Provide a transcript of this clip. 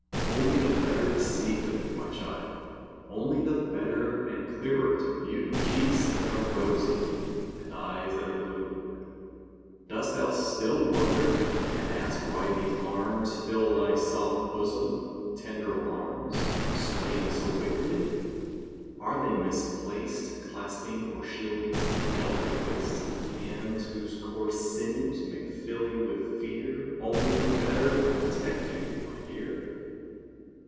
Only the better to see with, my child! Only the better and clearer to view Cheeks that are rosy and eyes that are blue. Dost thou still wonder, and ask why these arms Fill thy soft bosom with tender alarms, Swaying so wickedly? Are they misplaced Clasping or shielding some delicate waist? Hands whose coarse sinews may fill you with fear Only the better protect you, my dear!